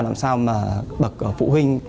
làm sao mà bậc phụ huynh